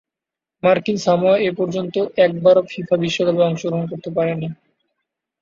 মার্কিন সামোয়া এপর্যন্ত একবারও ফিফা বিশ্বকাপে অংশগ্রহণ করতে পারেনি।